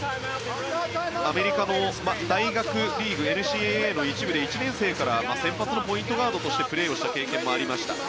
アメリカの大学リーグＮＣＡＡの一部で１年生から先発のポイントガードとしてプレーをした経験もありました。